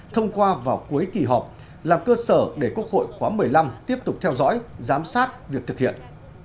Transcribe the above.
thông qua vào cuối kỳ họp làm cơ sở để quốc hội khóa một mươi năm tiếp tục theo dõi giám sát việc thực hiện